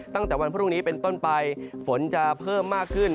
ตั้งแต่วันพรุ่งนี้เป็นต้นไปฝนจะเพิ่มมากขึ้น